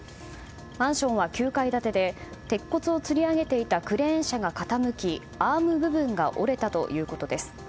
マンションは９階建てで鉄骨をつり上げていたクレーン車が傾き、アーム部分が折れたということです。